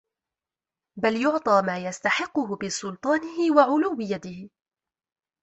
بَلْ يُعْطَى مَا يَسْتَحِقُّهُ بِسُلْطَانِهِ وَعُلُوِّ يَدِهِ